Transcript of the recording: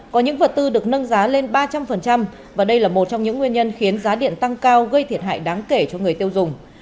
có những vật tư được nâng giá lên ba trăm linh và đây là một trong những nguyên nhân khiến giá điện tăng cao gây thiệt hại đáng kể cho người tiêu dùng